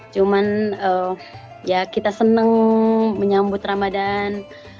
cuman kita senang menyambut ramadan